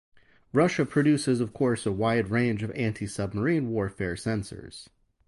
Russia produces, of course, a wide range of antisubmarine warfare sensors.